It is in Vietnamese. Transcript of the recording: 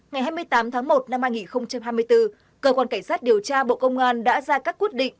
ngày hai mươi tám tháng một năm hai nghìn hai mươi bốn cơ quan cảnh sát điều tra bộ công an đã ra các quyết định